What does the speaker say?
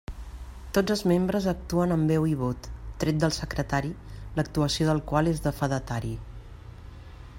Tots els membres actuen amb veu i vot, tret del secretari, l'actuació del qual és de fedatari.